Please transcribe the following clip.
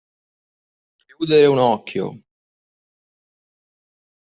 Chiudere un occhio.